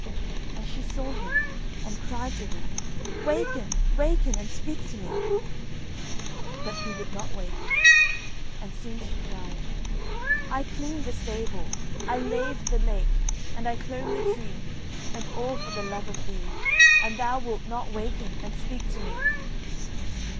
And she saw him, and cried to him: "Waken, waken, and speak to me!" But he would not waken, and soon she cried: "I cleaned the stable, I laved the lake, and I clomb the tree, And all for the love of thee, And thou wilt not waken and speak to me."